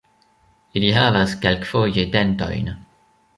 Ili havas kelkfoje dentojn.